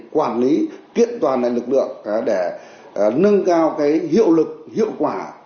quản lý kiện toàn lực lượng để nâng cao hiệu lực hiệu quả